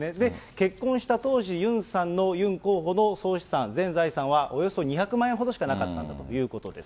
結婚した当時、ユンさんの、ユン候補の総資産、全財産はおよそ２００万円ほどしかなかったんだということです。